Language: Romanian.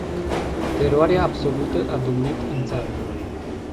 Teroarea absolută a domnit în țară.